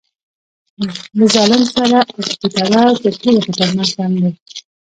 له ظالم سره عاطفي تړاو تر ټولو خطرناک بند دی.